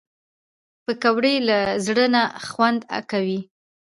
پکورې له زړه نه خوند کوي